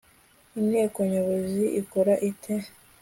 Inteko Nyobozi ikora ite